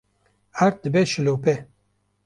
erd dibe şilope